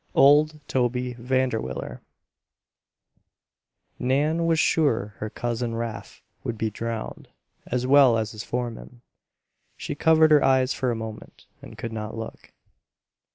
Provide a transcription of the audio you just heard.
OLD TOBY VANDERWILLER Nan was sure her Cousin Rafe would be drowned, as well as his foreman. She covered her eyes for a moment, and could not look.